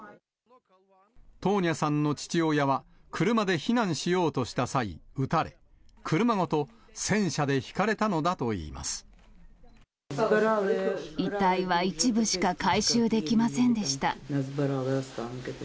トーニャさんの父親は、車で避難しようとした際、撃たれ、車ごと戦車でひかれたのだといい遺体は一部しか回収できませんでした。